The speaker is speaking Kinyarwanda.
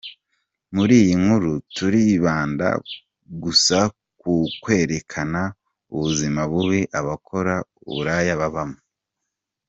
Muri iyi nkuru turibanda gusa ku kwerekana ubuzima bubi abakora uburaya babamo.